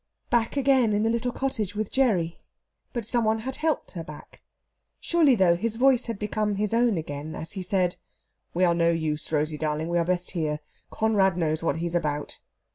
Back again in the little cottage with Gerry, but some one had helped her back. Surely, though, his voice had become his own again as he said: "We are no use, Rosey darling. We are best here. Conrad knows what he's about."